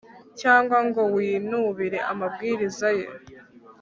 cyangwa ngo winubire amabwiriza ye